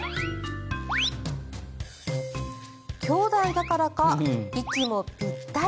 きょうだいだからか息もぴったり。